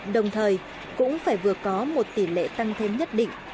đồng thời cũng phải vừa có một tỷ lệ tăng thêm nhất định